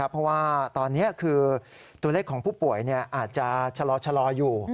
เพราะว่าตอนนี้คือตัวเลขของผู้ป่วยอาจจะชะลออยู่